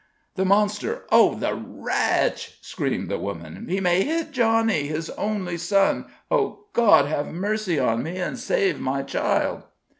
"The monster. Oh, the wretch!" screamed the woman. "He may hit Johnny, his only son! Oh, God have mercy on me, and save my child!"